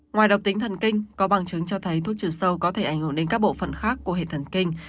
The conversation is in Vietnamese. ngoài độc tính thần kinh có bằng chứng cho thấy thuốc trừ sâu có thể ảnh hưởng đến các bộ phận khác của hệ thần kinh